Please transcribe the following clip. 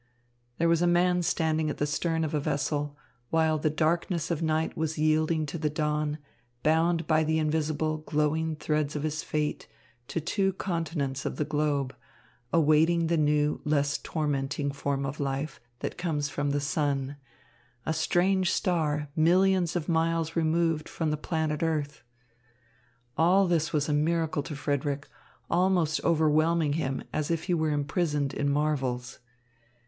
There was a man standing at the stern of a vessel, while the darkness of night was yielding to the dawn, bound by the invisible, glowing threads of his fate to two continents of the globe, and awaiting the new, less tormenting form of life that comes from the sun, a strange star millions of miles removed from the planet earth. All this was a miracle to Frederick, almost overwhelming him, as if he were imprisoned in marvels.